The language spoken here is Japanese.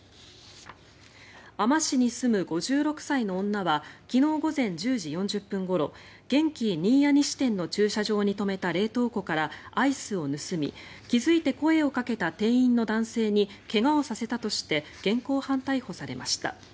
あま市に住む５６歳の女は昨日午前１０時４０分ごろゲンキー新居屋西店の駐車場に止めた冷凍車からアイスを盗み気付いて声をかけた店員の男性に怪我をさせたとして現行犯逮捕されました。